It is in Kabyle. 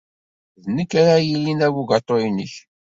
D nekk ara yilin d abugaṭu-nnek.